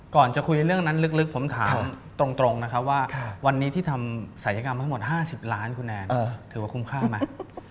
ก่อนจะคุยในเรื่องนั้นลึกผมถามตรงนะครับว่าวันนี้ที่ทำศัยกรรมมาทั้งหมด๕๐ล้านคุณแอนถือว่าคุ้มค่าไหม